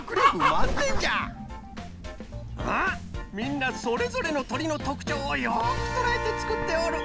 みんなそれぞれのとりのとくちょうをよくとらえてつくっておる！